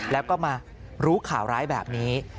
แล้วก็มารู้ข่าวร้ายแบบนี้